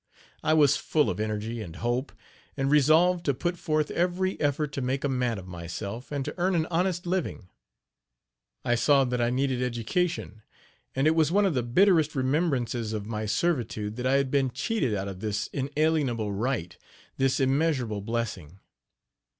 I was full of energy and hope, and resolved to put forth every effort to make a man of myself, and to earn an honest living. I saw that I needed education; and it was one of the bitterest remembrances of my servitude that I had been cheated out of this inalienable right this immeasurable blessing.